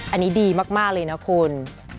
อันนี้ดีมากเลยนะคุณ